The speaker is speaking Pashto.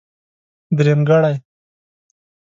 درېمګړی.